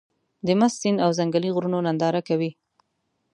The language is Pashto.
د مست سيند او ځنګلي غرونو ننداره کوې.